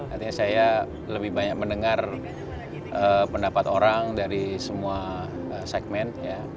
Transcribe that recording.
artinya saya lebih banyak mendengar pendapat orang dari semua segmen